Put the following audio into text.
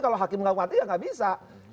kalau hakim hukuman mati ya tidak bisa